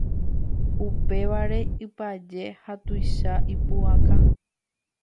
upévare ipaje ha tuicha ipu'aka.